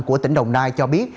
của tỉnh đồng nai cho biết